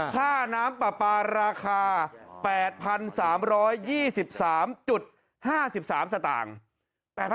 ค่าน้ำปลาปลาราคา๘๓๒๓๕๓สตางค์